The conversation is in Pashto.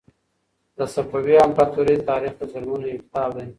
د صفوي امپراطورۍ تاریخ د ظلمونو یو کتاب دی.